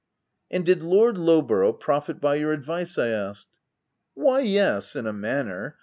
"And did Lord Lowborough profit by your advice?" I asked. " Why, yes, in a manner.